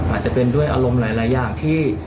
อาจจะเป็นด้วยอารมณ์หลายอย่างที่